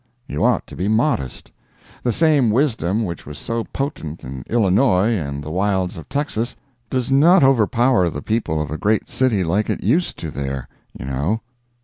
You ought to be modest; the same wisdom which was so potent in Illinois and the wilds of Texas does not overpower the people of a great city like it used to do there, you know.